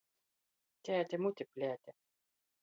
Tēte muti plēte.